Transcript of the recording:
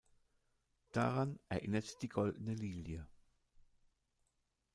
Daran erinnert die goldene Lilie.